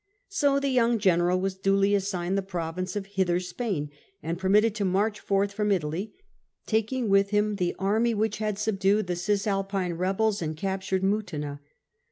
So the young general was duly assigned the province of Hither Spain, and ])ermitted to march forth from Italy, taking with him the army which had subdued the Cisalpine rebtds and captured Mutina.